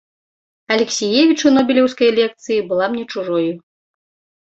Алексіевіч у нобелеўскай лекцыі была мне чужою.